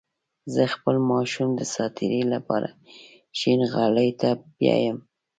زه خپل ماشومان د ساعتيرى لپاره شينغالي ته بيايم